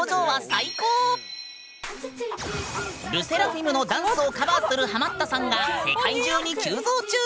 ＬＥＳＳＥＲＡＦＩＭのダンスをカバーするハマったさんが世界中に急増中！